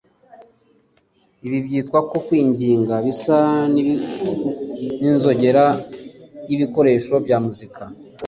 ibi byitwa ko kwinginga bisa n'inzogera y'ibikoresho bya muzika